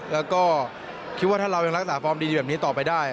แล้วก็คิดว่าถ้าเรายังรักษาฟอร์มดีแบบนี้ต่อไปได้